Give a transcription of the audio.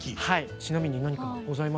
ちなみに何かございますか？